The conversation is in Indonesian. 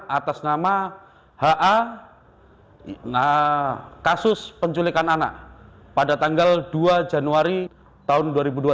atas nama ha kasus penculikan anak pada tanggal dua januari tahun dua ribu dua puluh